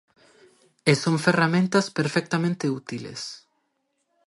E son ferramentas perfectamente útiles.